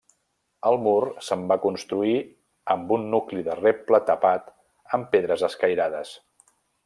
El mur se'n va construir amb un nucli de reble tapat amb pedres escairades.